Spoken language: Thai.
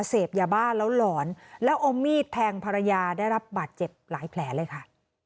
เสพยาบ้าแล้วหลอนแล้วเอามีดแทงภรรยาได้รับบาดเจ็บหลายแผลเลยค่ะ